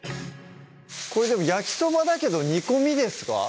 これでも「焼きそば」だけど煮込みですか？